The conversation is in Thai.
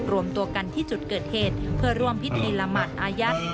รวมตัวกันที่จุดเกิดเหตุเพื่อร่วมพิธีละหมาดอายัด